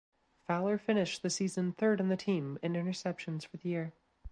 Fowler finished the season third on the team in interceptions for the year.